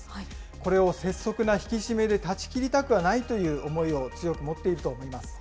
これを拙速な引き締めで断ち切りたくはないという思いを強く持っているとみます。